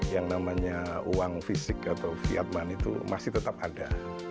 yang namanya uang fisik atau fiat money itu masih tetap ada